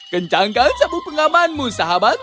kencangkan sabuk pengamanmu sahabat